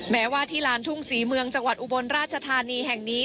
แม้ว่าที่ลานทุ่งศรีเมืองจังหวัดอุบลราชธานีแห่งนี้